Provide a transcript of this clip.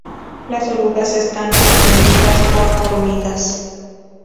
Las orugas están atendidas por hormigas.